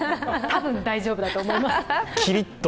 たぶん大丈夫だと思います。